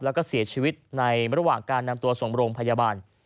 แล้วก็เสียชีวิตในระหว่างการนำตัวส่งโรงพยาบาล